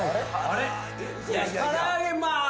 あれ？